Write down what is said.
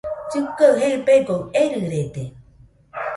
Llɨkɨaɨ gebegoɨ erɨrede.